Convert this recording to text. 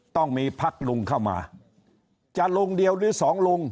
ต้องมีพักลุงเข้ามาจะลุงเดียวหรือสองลุง